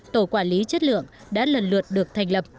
tổ quản lý chất lượng đã lần lượt được thành lập